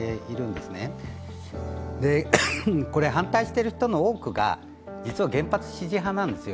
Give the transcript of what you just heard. で、反対している人の多くが実は原発支持派なんですよ。